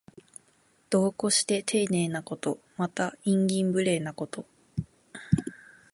度を越してていねいなこと。また、慇懃無礼なこと。